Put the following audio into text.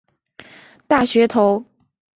大学头。